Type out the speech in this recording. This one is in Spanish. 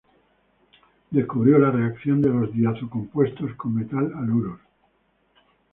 Descubrió la reacción de los diazo-compuestos con metal haluros.